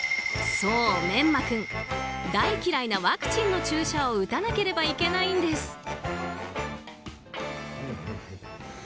そう、めんま君大嫌いなワクチンの注射を打たなければいけないんです。